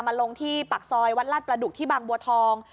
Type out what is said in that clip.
ลงที่ปากซอยวัดลาดประดุกที่บางบัวทอง